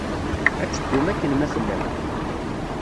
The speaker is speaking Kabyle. Ad teddum akken ma tellam